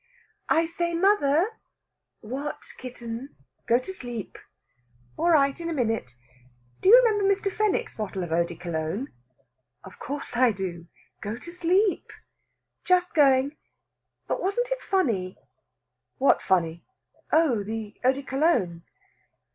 "I say, mother!" "What, kitten? Go to sleep." "All right in a minute. Do you remember Mr. Fenwick's bottle of eau de Cologne?" "Of course I do. Go to sleep." "Just going. But wasn't it funny?" "What funny? Oh, the eau de Cologne!"